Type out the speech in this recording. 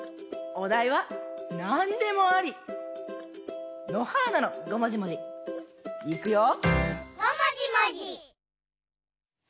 おだいはなんでもあり！のはーなのごもじもじいくよ！